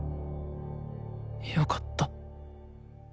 よかった。